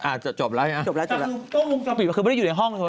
อ่ะจบแล้วรึยัง